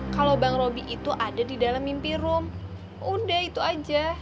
kalau bang roby itu ada di dalam mimpi room udah itu aja